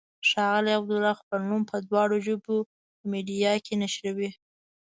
ښاغلی عبدالله خپل نوم په دواړو ژبو په میډیا کې نشروي.